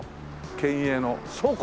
県営の倉庫？